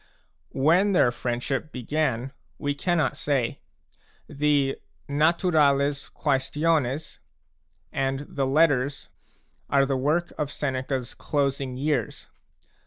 When their friendship began we cannot say. The Naturales Quaestiones and the Letters are the work of Seneca's closing years.